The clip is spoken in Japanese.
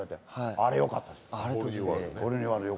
あれ、よかったよ。